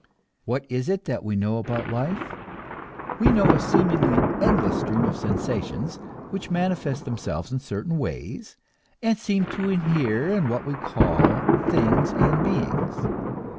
What is it that we know about life? We know a seemingly endless stream of sensations which manifest themselves in certain ways, and seem to inhere in what we call things and beings.